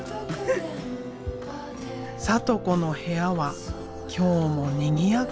サト子の部屋は今日もにぎやか。